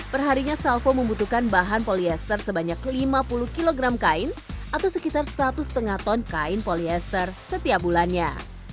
perharinya salvo membutuhkan bahan polyester sebanyak lima puluh kg kain atau sekitar satu lima ton kain polyester setiap bulannya